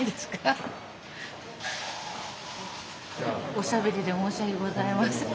おしゃべりで申し訳ございません。